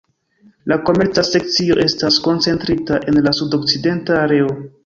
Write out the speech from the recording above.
La komerca sekcio estas koncentrita en la sudokcidenta areo.